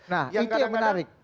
nah itu yang menarik